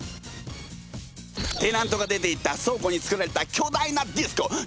テナントが出ていった倉庫につくられた巨大なディスコ。